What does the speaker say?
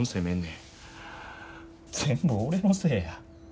全部俺のせいや。